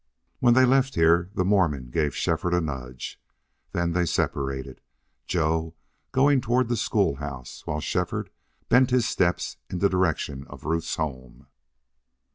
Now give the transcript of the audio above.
When they left here the Mormon gave Shefford a nudge. Then they separated, Joe going toward the school house, while Shefford bent his steps in the direction of Ruth's home.